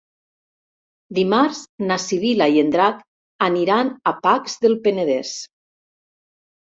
Dimarts na Sibil·la i en Drac aniran a Pacs del Penedès.